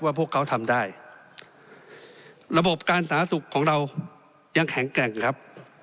พวกเขาทำได้ระบบการสาธารณสุขของเรายังแข็งแกร่งครับ